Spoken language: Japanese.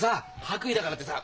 白衣だからってさ